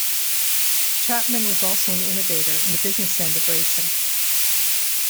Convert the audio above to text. Chapman was also an innovator in the business end of racing.